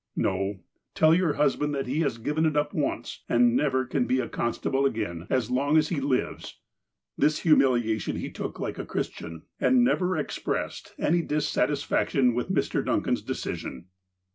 "No. Tell your husband that he has given it up once, and never can be a constable again as long as he lives." This humiliation he took like a Christian, and never expressed any dissatisfaction with Mr. Duncan's de cision.